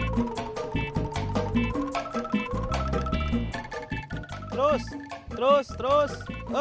terus terus terus